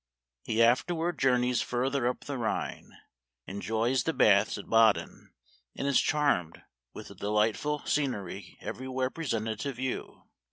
He afterward journeys farther up the Rhine, enjoys the baths of Ba den, and is charmed with the delightful scenery every where presented to view.